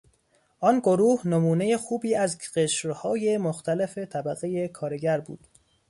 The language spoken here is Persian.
آن گروه نمونهی خوبی از قشرهای مختلف طبقهی کارگر بود.